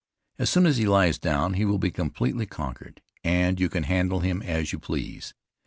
As soon as he lies down he will be completely conquered, and you can handle him as you please.